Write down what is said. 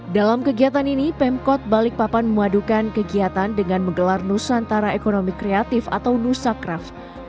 dalam kegiatan ini pemkot balikpapan memadukan kegiatan dengan menggelar nusantara ekonomi kreatif atau nusakraf